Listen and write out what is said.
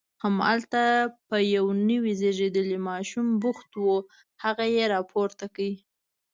همالته په یو نوي زیږېدلي ماشوم بوخت و، هغه یې راپورته کړ.